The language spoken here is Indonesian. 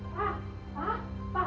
pak pak pak